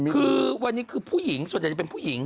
คือวันนี้คือผู้หญิงส่วนใหญ่จะเป็นผู้หญิง